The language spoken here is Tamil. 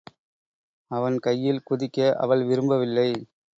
அவன் கையில் குதிக்க அவள் விரும்பவில்லை.